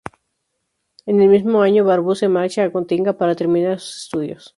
En el mismo año Barbu se marcha a Gotinga para terminar sus estudios.